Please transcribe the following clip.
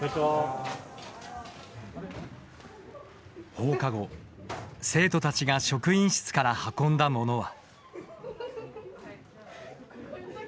放課後、生徒たちが職員室から運んだものは。